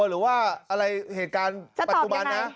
หรือว่าอะไรเหตุการณ์ปัจจุบันนะ